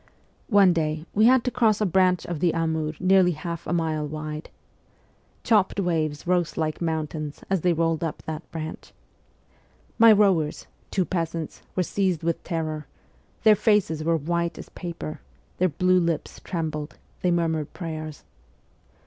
One day we had to cross a branch of the Amur nearly half a mile wide. Chopped waves rose like mountains as they rolled up that branch. My rowers, two peasants, were seized with terror ; their faces were white as paper; their blue lips trembled, they murmured prayers.